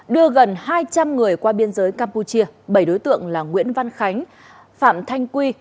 đưa gần hai trăm linh người qua biên giới campuchia bảy đối tượng là nguyễn văn khánh phạm thanh quy